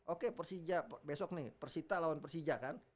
oke persija besok nih persita lawan persija kan